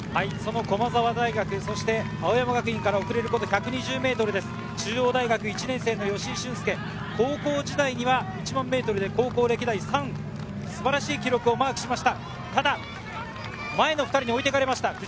駒澤大学、そして青山学院から遅れること１２０ｍ、中央大学１年生の吉居駿恭、高校時代には１００００ｍで歴代３位、素晴らしい記録をマークしました。